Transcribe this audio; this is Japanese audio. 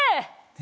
え？